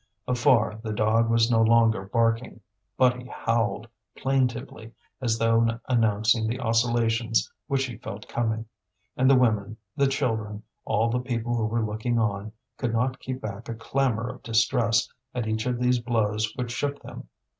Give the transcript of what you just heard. Afar the dog was no longer barking, but he howled plaintively as though announcing the oscillations which he felt coming; and the women, the children, all these people who were looking on, could not keep back a clamour of distress at each of these blows which shook them.